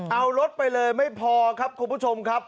เอารถไปเลยไม่พอครับคุณผู้ชมครับ